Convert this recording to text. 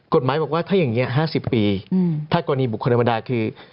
กฎหมายบอกว่าถ้าอย่างนี้๕๐ปีถ้ากรณีบุคคลธรรมดาคือ